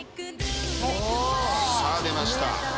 さぁ出ました。